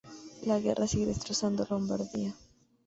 La guerra sigue destrozando Lombardía.